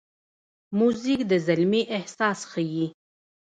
موزیک د زلمي احساس ښيي.